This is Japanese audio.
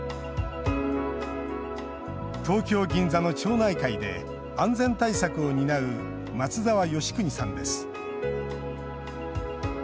東京・銀座の町内会で安全対策を担う松澤芳邦さんです。